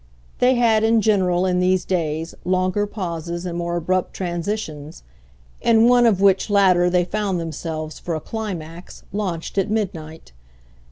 They had, in general, in these days, longer pauses and more abrupt transitions; in one of which latter they found themselves, for a climax, launched at midnight.